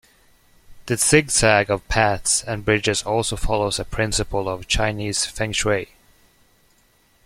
The zig-zag of paths and bridges also follows a principle of Chinese Feng Shui.